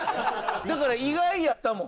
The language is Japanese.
だから意外やったもん。